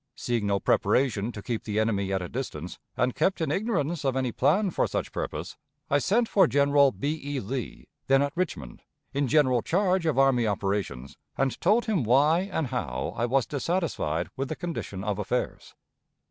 Seeing no preparation to keep the enemy at a distance, and kept in ignorance of any plan for such purpose, I sent for General B. E. Lee, then at Richmond, in general charge of army operations, and told him why and how I was dissatisfied with the condition of affairs.